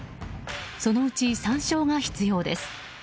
そのうち３勝が必要です。